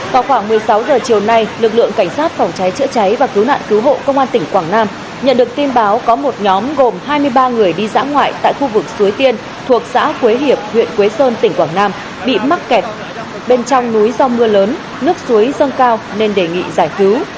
vào khoảng một mươi sáu h chiều nay lực lượng cảnh sát phòng cháy chữa cháy và cứu nạn cứu hộ công an tỉnh quảng nam nhận được tin báo có một nhóm gồm hai mươi ba người đi dã ngoại tại khu vực suối tiên thuộc xã quế hiệp huyện quế sơn tỉnh quảng nam bị mắc kẹt bên trong núi do mưa lớn nước suối dâng cao nên đề nghị giải cứu